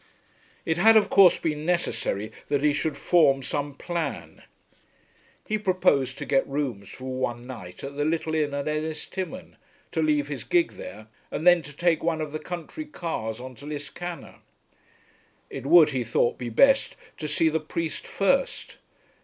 It had of course been necessary that he should form some plan. He proposed to get rooms for one night at the little inn at Ennistimon, to leave his gig there, and then to take one of the country cars on to Liscannor. It would, he thought, be best to see the priest first.